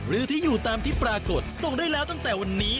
หรือที่อยู่ตามที่ปรากฏส่งได้แล้วตั้งแต่วันนี้